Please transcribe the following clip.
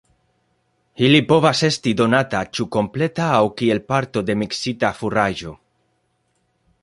Ili povas esti donata ĉu kompleta aŭ kiel parto de miksita furaĝo.